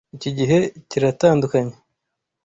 Iki gihe kiratandukanye?